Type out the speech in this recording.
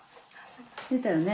出たよね？